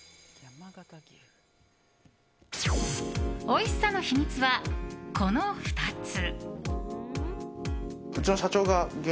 おいしさの秘密は、この２つ。